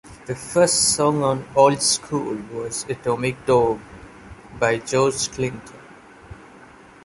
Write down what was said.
The first song on "Old School" was "Atomic Dog" by George Clinton.